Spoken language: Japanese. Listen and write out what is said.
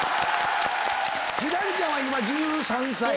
輝星ちゃんは今１３歳？